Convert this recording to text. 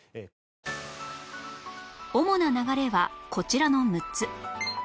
主な流れはこちらの６つ